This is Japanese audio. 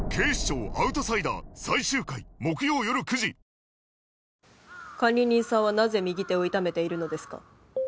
新「ＥＬＩＸＩＲ」管理人さんはなぜ右手を痛めているのですか？